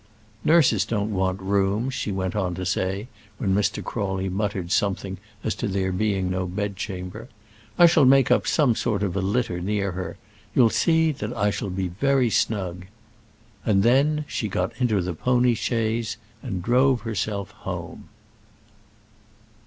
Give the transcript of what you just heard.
"Nurses don't want rooms," she went on to say, when Mr. Crawley muttered something as to there being no bed chamber. "I shall make up some sort of a litter near her; you'll see that I shall be very snug." And then she got into the pony chaise, and drove herself home.